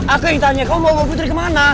aku yang tanya kamu mau bawa putri kemana